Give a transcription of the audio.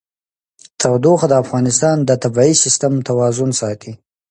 تودوخه د افغانستان د طبعي سیسټم توازن ساتي.